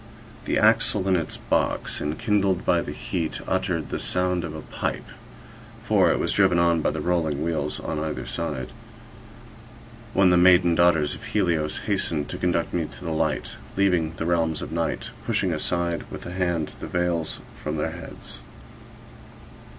The axle in its box, enkindled by the heat, uttered the sound of a pipe (for it was driven on by the rolling wheels on either side), when the maiden daughters of Helios hastened to conduct me [Page 88] [Page 89] 10 to the light, leaving the realms of night, pushing aside with the hand the veils from their heads.